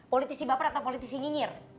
politik si baper atau politik si ngingir